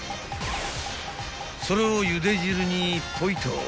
［それをゆで汁にポイと］